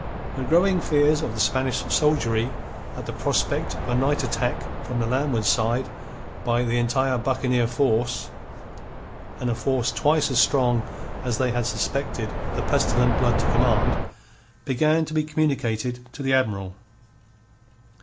The growing fears of the Spanish soldiery at the prospect of a night attack from the landward side by the entire buccaneer force and a force twice as strong as they had suspected the pestilent Blood to command began to be communicated to the Admiral.